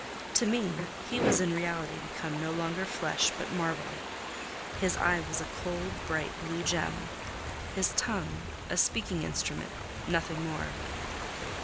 To me, he was in reality become no longer flesh, but marble; his eye was a cold, bright, blue gem; his tongue a speaking instrument—nothing more.